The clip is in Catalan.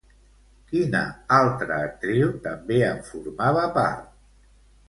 Quina altra actriu també en formava part?